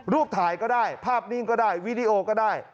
รูปถ่ายก็ได้ภาพนิ่งก็ได้วีดีโอก็ได้